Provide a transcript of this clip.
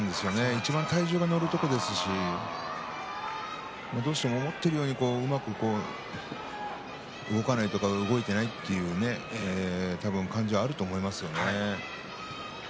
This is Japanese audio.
いちばん体重が乗るところですしどうしても思っているよりうまく動かないという感じがあると思います。